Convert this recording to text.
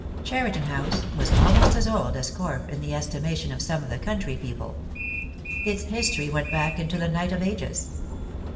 Cheriton House was almost as old as Corfe in the estimation of some of the country people. Its history went back into the nip ht of acres.